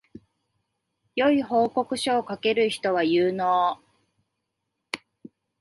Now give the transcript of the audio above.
良い報告書を書ける人は有能